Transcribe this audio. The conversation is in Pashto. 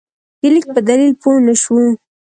د لیک په دلیل پوه نه شو.